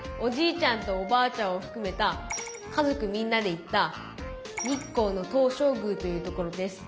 ちゃんとおばあちゃんをふくめた家族みんなで行った日光の東照宮という所です。